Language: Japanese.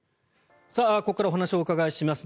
ここからお話をお伺いします